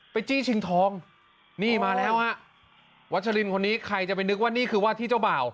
จี้ชิงทองนี่มาแล้วฮะวัชลินคนนี้ใครจะไปนึกว่านี่คือว่าที่เจ้าบ่าว